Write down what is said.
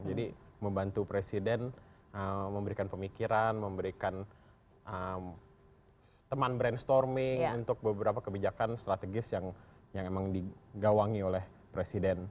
jadi membantu presiden memberikan pemikiran memberikan teman brainstorming untuk beberapa kebijakan strategis yang emang digawangi oleh presiden